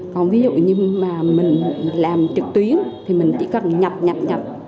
còn ví dụ như mà mình làm trực tuyến thì mình chỉ cần nhập nhập